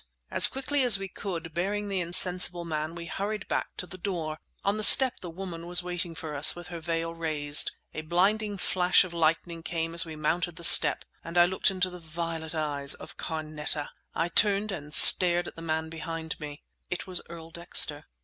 As quickly as we could, bearing the insensible man, we hurried back to the door. On the step the woman was waiting for us, with her veil raised. A blinding flash of lightning came as we mounted the step—and I looked into the violet eyes of Carneta! I turned and stared at the man behind me. It was Earl Dexter.